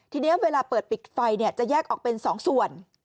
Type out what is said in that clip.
ทีนี้เวลาเปิดปิดไฟจะแยกออกเป็น๒ส่วน